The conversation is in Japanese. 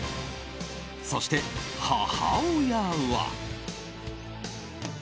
そして、母親は。